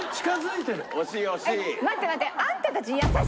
待って待って。